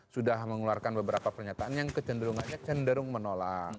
sudah mengeluarkan beberapa pernyataan yang kecenderungannya cenderung menolak